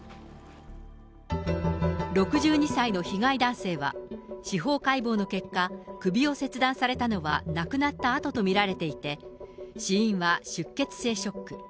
６２歳の被害男性は、司法解剖の結果、首を切断されたのは亡くなったあとと見られていて、死因は出血性ショック。